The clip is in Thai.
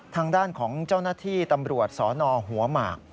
ทางด้านของเจ้าหน้าที่ตำรวจสนหัวหมาก